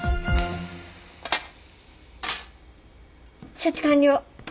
処置完了。